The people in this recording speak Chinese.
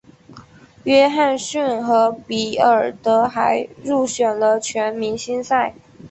约翰逊和比尔德还入选了全明星赛。